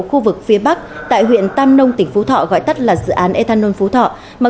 khu vực phía bắc tại huyện tam nông tỉnh phú thọ gọi tắt là dự án ethanol phú thọ mà